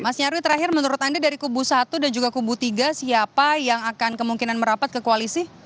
mas nyarwi terakhir menurut anda dari kubu satu dan juga kubu tiga siapa yang akan kemungkinan merapat ke koalisi